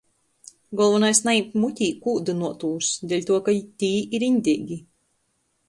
Golvonais, najimt mutē kūdynuotūs, deļtuo ka tī ir iņdeigi!